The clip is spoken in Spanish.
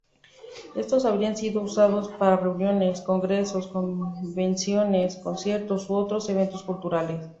Estos habrían sido usados para reuniones, congresos, convenciones, conciertos u otros eventos culturales.